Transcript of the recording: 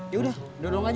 ya udah duduk aja